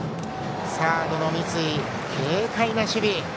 サードの三井、軽快な守備。